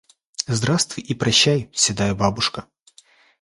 Здравствуй и прощай, седая бабушка!